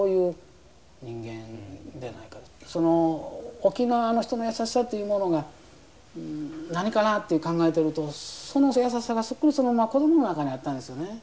沖縄の人の優しさというものが何かなと考えてるとその優しさがそっくりそのまま子供の中にあったんですよね。